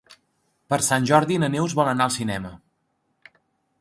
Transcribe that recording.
Per Sant Jordi na Neus vol anar al cinema.